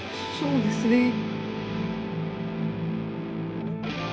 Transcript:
そうですね。